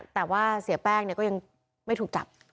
แต่ว่าเสียแป้งก็ยังไม่ถูกจับ